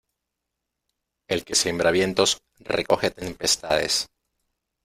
El que siembra vientos recoge tempestades.